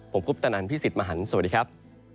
ผมคุปตะนันพี่สิทธิ์มหันฯสวัสดีครับ